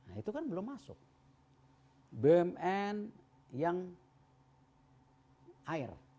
nah itu kan belum masuk bumn yang air